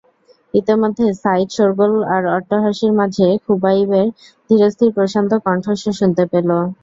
ইতিমধ্যে সাঈদ শোরগোল আর অট্টহাসির মাঝে খুবাইবের ধীরস্থির প্রশান্ত কণ্ঠস্বর শুনতে পেল।